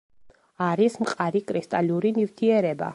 არის მყარი კრისტალური ნივთიერება.